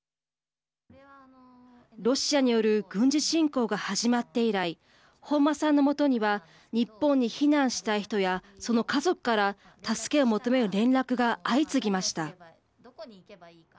ロシアによる軍事侵攻が始まって以来本間さんの元には日本に避難したい人やその家族から助けを求める連絡が相次ぎました。